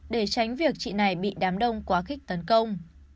để tránh việc chị này bị đám đông quá khích tấn công